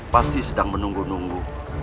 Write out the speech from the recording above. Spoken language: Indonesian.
pasti sedang menunggu nunggu